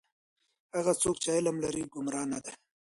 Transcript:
هغه څوک چې علم لري گمراه نه دی.